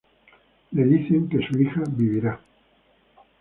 Le dicen que su hija vivirá.